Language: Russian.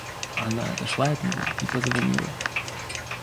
Она отошла от него и позвонила.